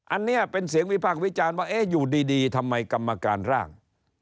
อันนี้เป็นเสียงวิพากษ์วิจารณ์ว่าเอ๊ะอยู่ดีทำไมกรรมการร่าง